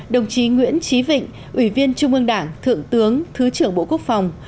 đồng chí nguyễn trí vịnh ủy viên trung ương đảng thượng tướng thứ trưởng bộ quốc phòng